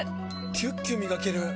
キュッキュ磨ける！